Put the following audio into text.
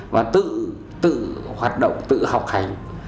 và tự tự hoạt động tự học hành